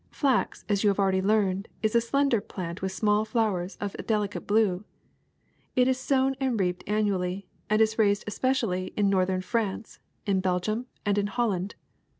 Flax, as you have already learned, is a slender plant with small flowers of a delicate blue. It is so^vn and reaped annually, and is raised especially in northern France, in Bel gium, and in Holland.